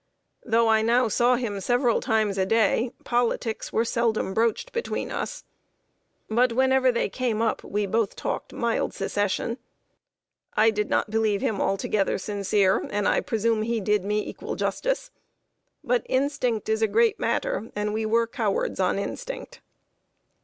Though I now saw him several times a day, politics were seldom broached between us. But, whenever they came up, we both talked mild Secession. I did not believe him altogether sincere, and I presume he did me equal justice; but instinct is a great matter, and we were cowards on instinct.